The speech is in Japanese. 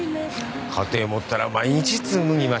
家庭を持ったら毎日紡ぎましょ。